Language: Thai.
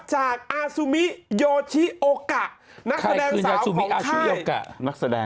จากอาซูมิโยชิโอกะนักแสดงสาวของค่าย